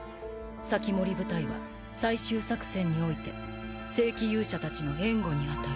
防人部隊は最終作戦において正規勇者たちの援護に当たる。